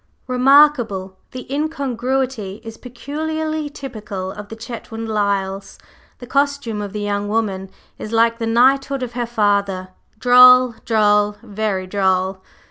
"Re markable! The incongruity is peculiarly typical of the Chetwynd Lyles. The costume of the young woman is like the knighthood of her father, droll, droll, very droll!"